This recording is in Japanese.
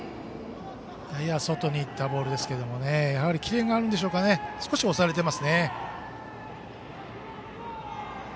やや外に行ったボールですがやはりキレがあるんでしょうか少し押されていますね。